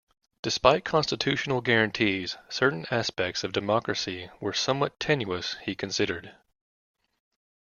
Despite constitutional guarantees, certain aspects of democracy were somewhat tenuous, he considered.